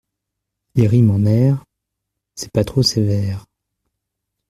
Les rimes en ère, c’est pas trop sévère.